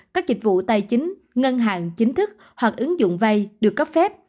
các dịch vụ tài chính ngân hàng chính thức hoặc ứng dụng vay được cấp phép